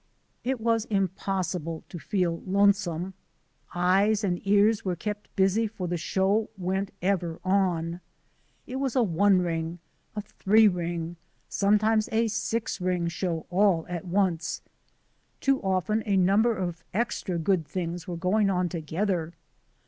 It was impossible to feel lonesome. Eyes and ears were kept busy for the show went ever on. It was a one ring, a three ring, sometimes a six ring show all at once. Too often a number of ex tra good things were going on together.